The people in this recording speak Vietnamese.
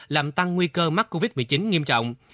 làm tăng nguy cơ mắc covid một mươi chín nghiêm trọng